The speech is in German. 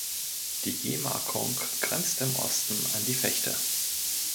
Die Gemarkung grenzt im Osten an die Vechte.